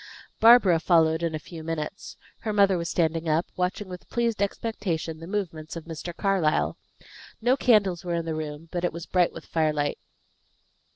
Barbara followed in a few minutes. Her mother was standing up, watching with pleased expectation the movements of Mr. Carlyle. No candles were in the room, but it was bright with firelight.